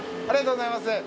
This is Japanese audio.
ありがとうございます。